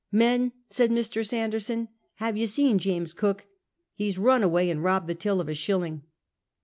" Men," said Mr. Sanderson, " ha' ye seen James Cook ? He's rim away and robbed the till of a shilling."